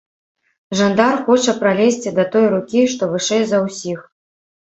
Жандар хоча пралезці да той рукі, што вышэй за ўсіх.